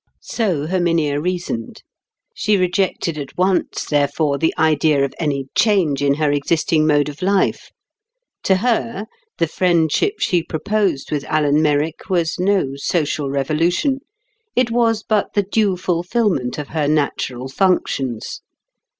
So Herminia reasoned. She rejected at once, therefore, the idea of any change in her existing mode of life. To her, the friendship she proposed with Alan Merrick was no social revolution; it was but the due fulfilment of her natural functions.